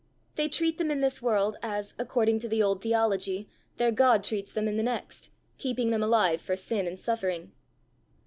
They treat them in this world as, according to the old theology, their God treats them in the next, keeping them alive for sin and suffering.